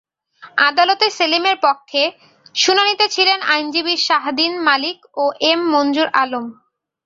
আদালতে সেলিমের পক্ষে শুনানিতে ছিলেন আইনজীবী শাহদীন মালিক ও এম মনজুর আলম।